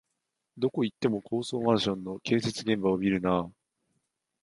どこ行っても高層マンションの建設現場を見るなあ